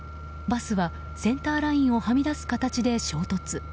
バスはセンターラインをはみ出す形で衝突。